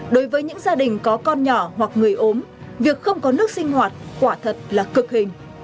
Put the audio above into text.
đối với những gia đình có con nhỏ hoặc người ốm việc không có nước sinh hoạt quả thật là cực hình